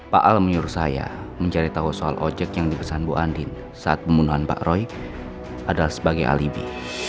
pak al menyuruh saya mencari tahu soal ojek yang dipesan bu andin saat pembunuhan pak roy adalah sebagai alibi